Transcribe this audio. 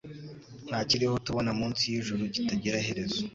Ntakiriho tubona Munsi y'ijuru Kitagira iherezo